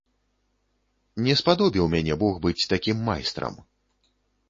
Не спадобіў мяне бог быць такім майстрам.